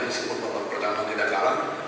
di sebuah babak pertama kita kalah